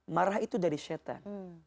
marah itu dari syaitan